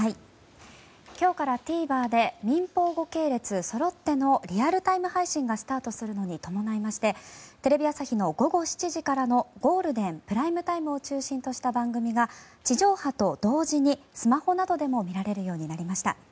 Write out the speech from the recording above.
今日からＴＶｅｒで民法５系列そろってのリアルタイム配信がスタートするのに伴いましてテレビ朝日の午後７時からのゴールデン、プライムタイムを中心とした配信が地上波と同時にスマホなどでも見られるようになりました。